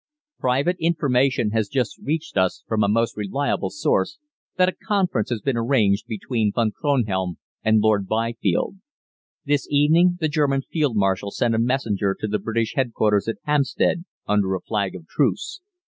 "Private information has just reached us from a most reliable source that a conference has been arranged between Von Kronhelm and Lord Byfield. This evening the German Field Marshal sent a messenger to the British headquarters at Hampstead under a flag of truce.